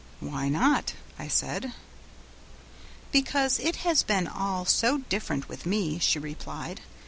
"Why not?" I said. "Because it has been all so different with me," she replied.